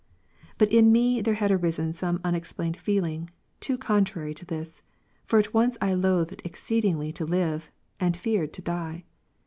But in me there had arisen some unexplained feeling, too contrary to this, for at once I loathed exceedingly to live, and feared to die.